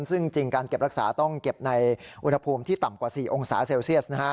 ซึ่งจริงการเก็บรักษาต้องเก็บในอุณหภูมิที่ต่ำกว่า๔องศาเซลเซียส